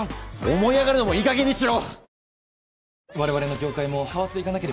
思い上がるのもいいかげんにしろ！